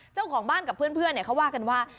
เจ้าของบ้านกับเพื่อนเขาว่ากันว่า